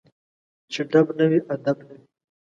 چي ډب نه وي ، ادب نه وي